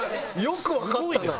よくわかったな。